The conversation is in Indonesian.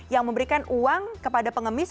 yang memberikan uang kepada pengemis